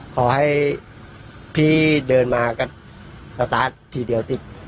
ขอให้พี่เดินมาก็สตาร์ททีเดียวสิ